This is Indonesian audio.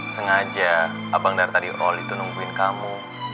sengaja abang dar tadi all itu nungguin kamu